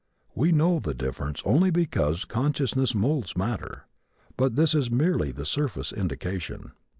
We know the difference only because consciousness moulds matter. But this is merely the surface indication.